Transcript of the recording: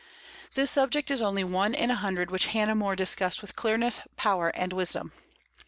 This subject is only one in a hundred which Hannah More discussed with clearness, power, and wisdom.